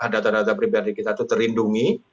data data pribadi kita itu terlindungi